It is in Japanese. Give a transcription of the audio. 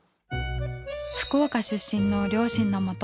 福岡出身の両親のもと